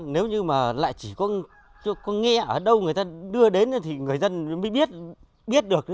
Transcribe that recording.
nếu như mà lại chỉ có nghe ở đâu người ta đưa đến thì người dân mới biết được